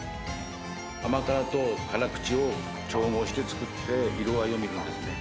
甘辛と辛口を調合して作って、色合いを見るんですね。